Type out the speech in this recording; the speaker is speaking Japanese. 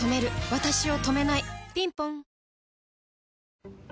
わたしを止めないぴんぽん